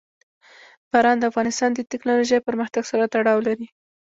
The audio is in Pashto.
باران د افغانستان د تکنالوژۍ پرمختګ سره تړاو لري.